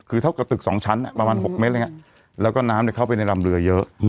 คือเท่ากับตึก๒ชั้นประมาณ๖เมตรอะไรอย่างนี้แล้วก็น้ำเข้าไปในลำเรือเยอะ